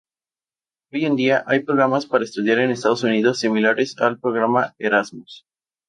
Hoy en día, hay programas para estudiar en Estados Unidos similares al Programa Erasmus.